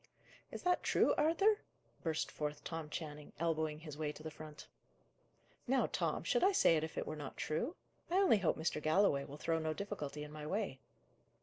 "Is that true, Arthur?" burst forth Tom Channing, elbowing his way to the front. "Now, Tom, should I say it if it were not true? I only hope Mr. Galloway will throw no difficulty in my way."